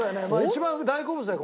一番大好物だよ